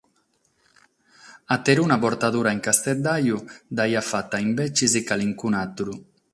Ateruna bortadura in casteddaju dd’aiat fata imbetzes calicun'àteru.